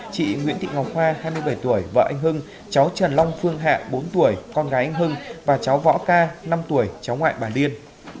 chị nguyễn thị ngọc hoa hai mươi bảy tuổi vợ anh hưng cháu trần long phương hạ bốn tuổi con gái anh hưng và cháu võ ca năm tuổi cháu ngoại bà liên